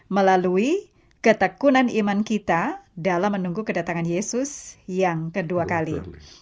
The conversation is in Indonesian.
melalui ketekunan iman kita dalam menunggu kedatangan yesus yang kedua kali